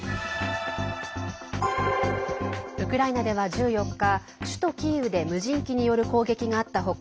ウクライナでは１４日首都キーウで無人機による攻撃があった他